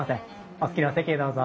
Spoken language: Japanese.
お好きなお席へどうぞ。